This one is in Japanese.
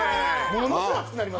ものすごい熱くなりません？